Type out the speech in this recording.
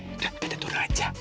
udah kita turun aja